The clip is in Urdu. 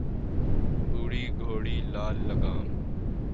بوڑھی گھوڑی لال لگام